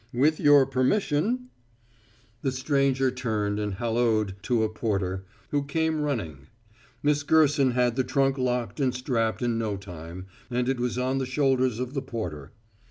With your permission " The stranger turned and halloed to a porter, who came running. Miss Gerson had the trunk locked and strapped in no time, and it was on the shoulders of the porter.